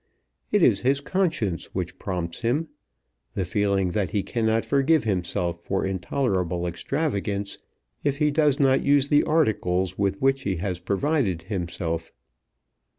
It is his conscience which prompts him, the feeling that he cannot forgive himself for intolerable extravagance if he does not use the articles with which he has provided himself.